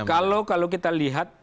kalau kita lihat